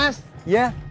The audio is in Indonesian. tunggu sini sebentar ya